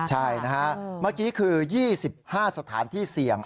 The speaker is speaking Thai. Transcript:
ใช่นะฮะเมื่อกี้คือ๒๕สถานที่เสี่ยง